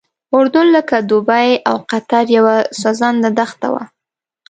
اردن لکه دوبۍ او قطر یوه سوځنده دښته وه.